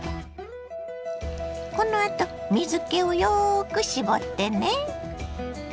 このあと水けをよく絞ってね。